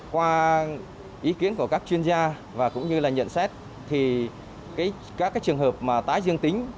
qua ý kiến của các chuyên gia và cũng như là nhận xét thì các trường hợp mà tái dương tính